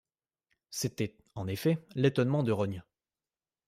C’était, en effet, l’étonnement de Rognes.